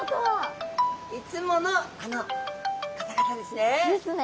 いつものあの方々ですね。ですね。